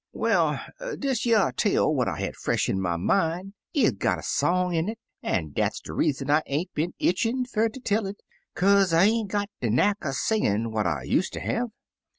*'Well, dish yer tale, what I had fresh in my min', is gpt a song in it, an' dat's dc reason I ain't been eetchin' fer ter tell it; kaze I ain't gpt de knack er singin' what I useter have.